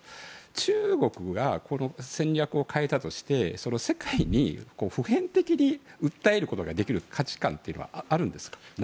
中国が、戦略を変えたとして世界に普遍的に訴えることができる価値観というのはあるんですか。